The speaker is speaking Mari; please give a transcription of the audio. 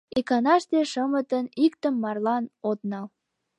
Иканаште шымытын иктым марлан от нал.